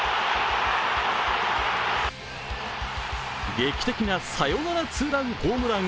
劇的なサヨナラツーランホームラン。